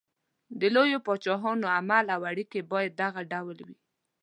د لویو پاچاهانو عمل او اړېکې باید دغه ډول وي.